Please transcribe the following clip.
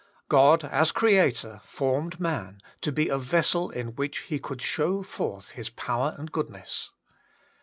God, as Creator, formed man, to be a vessel in which He could show forth His power and goodness.